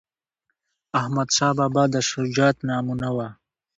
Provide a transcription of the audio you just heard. احمدشاه بابا د شجاعت نمونه وه..